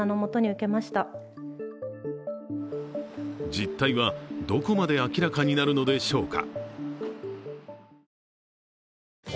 実態は、どこまで明らかになるのでしょうか。